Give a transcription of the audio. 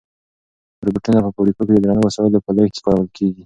روبوټونه په فابریکو کې د درنو وسایلو په لېږد کې کارول کیږي.